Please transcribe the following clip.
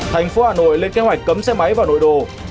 thành phố hà nội lên kế hoạch cấm xe máy vào nội đô